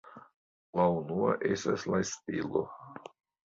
La unua estas la stilo.